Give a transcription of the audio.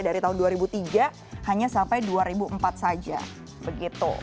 dari tahun dua ribu tiga hanya sampai dua ribu empat saja begitu